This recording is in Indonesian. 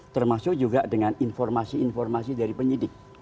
termasuk juga dengan informasi informasi dari penyidik